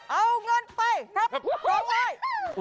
เอาเงินไปครับตรงนี้